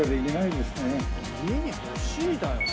「家に欲しい」だよね。